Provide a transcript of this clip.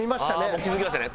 もう気付きましたね。